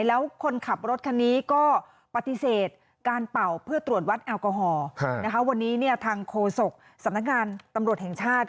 แล้วคนขับรถคันนี้ก็ปฏิเสธการเป่าเพื่อตรวจวัดแอลกอฮอล์วันนี้ทางโฆษกสำนักงานตำรวจแห่งชาติ